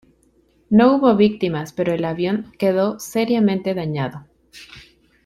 No hubo víctimas pero el avión quedó seriamente dañado.